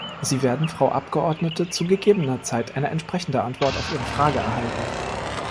Sie werden, Frau Abgeordnete, zu gegebener Zeit eine entsprechende Antwort auf Ihre Frage erhalten.